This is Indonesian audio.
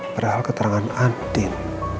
padahal keterangan andin